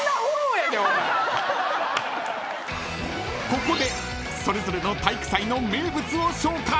［ここでそれぞれの体育祭の名物を紹介！］